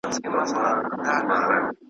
د اوښکو لاړ دي له یعقوبه تر کنعانه نه ځي .